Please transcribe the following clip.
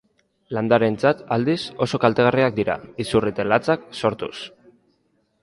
Landareentzat, aldiz, oso kaltegarriak dira, izurrite latzak sortuz.